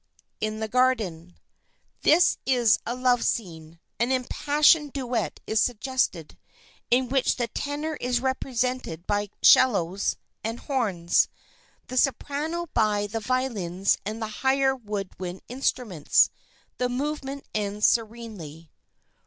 IN THE GARDEN This is a love scene. An impassioned duet is suggested, in which the tenor is represented by 'cellos and horns, the soprano by the violins and the higher wood wind instruments. The movement ends serenely.